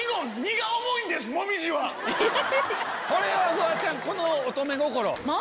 フワちゃんこの乙女心。